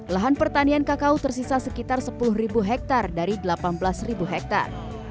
lahan pertanian kakao tersisa sekitar sepuluh hektare dari delapan belas hektare